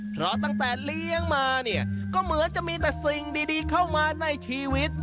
เพราะตั้งแต่เลี้ยงมาเนี่ยก็เหมือนจะมีแต่สิ่งดีเข้ามาในชีวิต